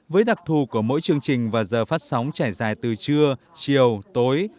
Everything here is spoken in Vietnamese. với đặc thù của mỗi chương trình và giờ phát sóng trải dài từ trưa chiều tối